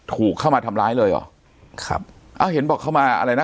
ถูกเข้ามาทำร้ายเลยเหรอครับอ้าวเห็นบอกเข้ามาอะไรนะ